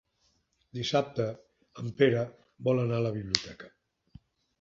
Dissabte en Pere vol anar a la biblioteca.